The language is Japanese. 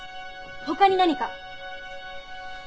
他に何か？